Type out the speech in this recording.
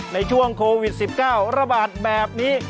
ในช่วงโควิด๑๙ระบาดแบบนี้